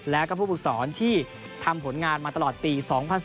และกับผู้ปลูกศรที่ทำผลงานมาตลอดปี๒๐๑๘